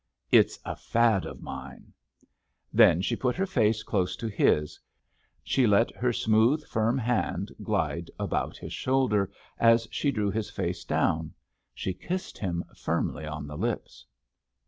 "It's a fad of mine." Then she put her face close to his; she let her smooth, firm hand glide about his shoulder as she drew his face down. She kissed him firmly on the lips.